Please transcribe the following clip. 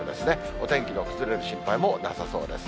お天気の崩れる心配もなさそうです。